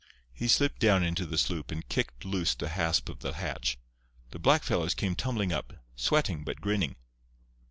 He slipped down into the sloop and kicked loose the hasp of the hatch. The black fellows came tumbling up, sweating but grinning.